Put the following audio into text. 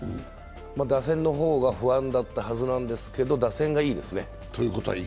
打線の方が不安だったはずなんですけど、打線がいいですね。